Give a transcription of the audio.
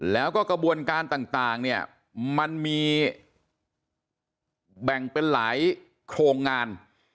แล้วก็กระบวนการต่างเนี่ยมันมีแบ่งเป็นหลายโครงงาน